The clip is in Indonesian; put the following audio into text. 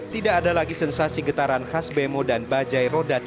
tidak ada lagi sensasi getaran khas bemo dan bajai roda tiga